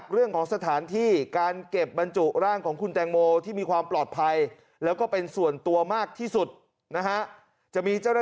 โรงพยาบาลธรรมศาสตร์